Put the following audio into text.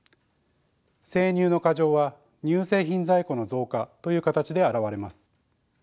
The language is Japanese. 生乳の過剰は乳製品在庫の増加という形で現れます。